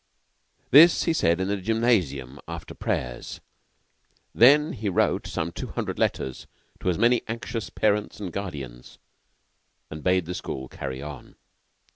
This he said in the gymnasium after prayers. Then he wrote some two hundred letters to as many anxious parents and guardians, and bade the school carry on.